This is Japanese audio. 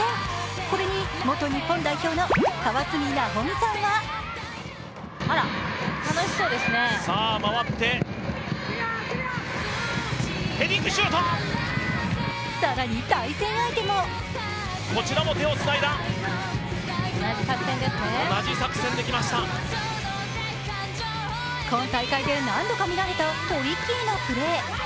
これに元日本代表の川澄奈穂美さんは更に対戦相手も今大会で何度か見られたトリッキーなプレー。